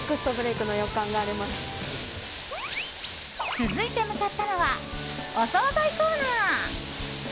続いて向かったのはお総菜コーナー。